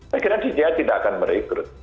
saya kira di jaya tidak akan merekrut